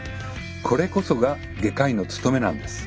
これこそが外科医の務めなんです。